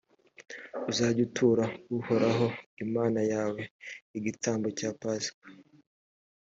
uzajye utura uhoraho imana yawe igitambo cya pasika,